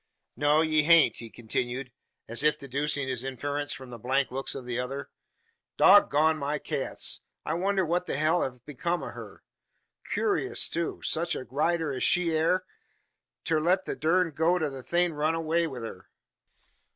"No, ye hain't," he continued, as if deducing his inference from the blank looks of the other. "Dog gone my cats! I wonder what the hell hev becomed o' her! Kewrious, too; sech a rider as she air, ter let the durned goat o' a thing run away wi' her.